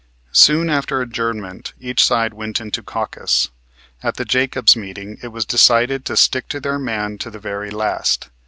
Soon after adjournment each side went into caucus. At the Jacobs meeting it was decided to stick to their man to the very last.